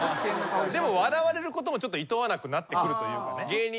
でも笑われることもいとわなくなってくるというかね。